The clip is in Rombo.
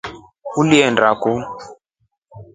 Ulinda kuu.